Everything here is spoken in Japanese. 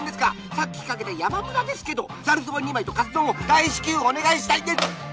さっきかけた山村ですけどざるそば２枚とカツ丼を大至急お願いしたいんで。